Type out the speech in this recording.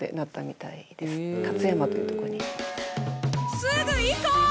すぐ行こう！